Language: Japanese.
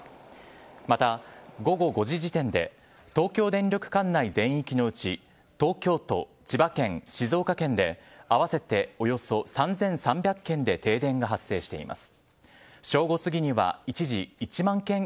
また、午後５時時点で東京電力管内全域のうち東京都、千葉県、静岡県で合わせておよそ３３００軒で停電が発生しています。